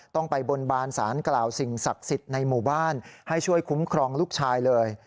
ต้องไปบนบานสารกล่าวสิ่งศักดิ์สิทธิ์ในหมู่บ้านให้ช่วยคุ้มครองลูกชายเลย